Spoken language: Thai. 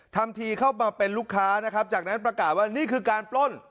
ทำทีเข้ามาเป็นลูกค้านะครับจากนั้นประกาศว่านี่คือการปล้น